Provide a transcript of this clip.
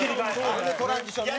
蛍原：トランジションね。